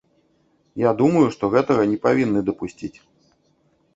Я думаю, што гэтага не павінны дапусціць.